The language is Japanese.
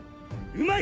うまい！